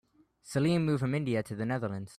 Salim moved from India to the Netherlands.